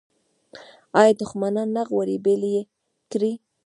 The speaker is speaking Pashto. آیا دښمنان نه غواړي بیل یې کړي؟